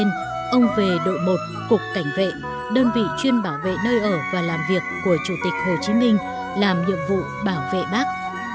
năm một nghìn chín trăm sáu mươi năm ông về đội một cục cảnh vệ đơn vị chuyên bảo vệ nơi ở và làm việc của chủ tịch hồ chí minh làm nhiệm vụ bảo vệ bác